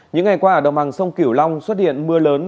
những ngày qua ở đồng bằng sông kiểu long xuất hiện mưa lớn